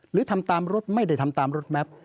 หรือทำตามรถไม่ได้ทำตามรถแมพ